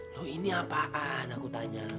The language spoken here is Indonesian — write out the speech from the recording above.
loh ini apaan aku tanya